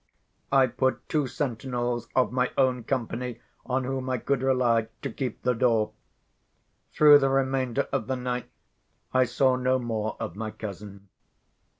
I put two sentinels of my own company, on whom I could rely, to keep the door. Through the remainder of the night, I saw no more of my cousin.